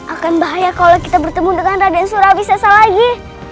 akan bahaya kalau kita bertemu dengan raden surabi sasa lagi